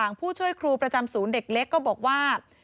ผู้ช่วยครูประจำศูนย์เด็กเล็กก็บอกว่า